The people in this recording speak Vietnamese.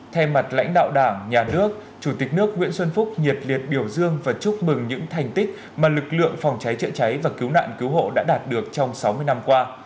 thay mặt lãnh đạo đảng nhà nước chủ tịch nước nguyễn xuân phúc nhiệt liệt biểu dương và chúc mừng những thành tích mà lực lượng phòng cháy chữa cháy và cứu nạn cứu hộ đã đạt được trong sáu mươi năm qua